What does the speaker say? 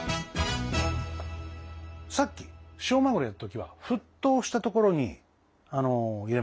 さっき塩マグロをやった時は沸騰したところに入れましたよね。